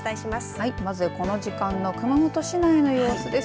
はいまずこの時間の熊本市内の様子です。